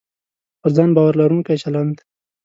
پر ځان باور لرونکی چلند